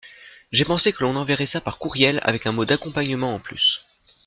J’ai pensé que l’on enverrait ça par courriel avec un mot d’accompagnement en plus.